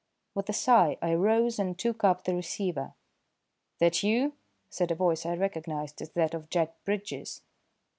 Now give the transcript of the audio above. With a sigh I rose and took up the receiver. "That you?" said a voice I recognised as that of Jack Bridges.